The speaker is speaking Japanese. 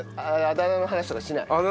あだ名の話とかしない。